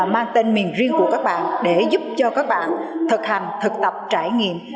mang tên miền riêng của các bạn để giúp cho các bạn thực hành thực tập trải nghiệm